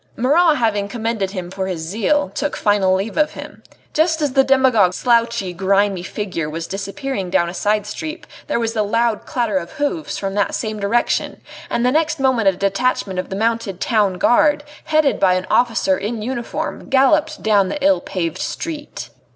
Marat having commended him for his zeal took final leave of him. Just as the demagogue's slouchy, grimy figure was disappearing down a side street there was the loud clatter of hoofs from that same direction, and the next moment a detachment of the mounted Town Guard, headed by an officer in uniform, galloped down the ill paved street.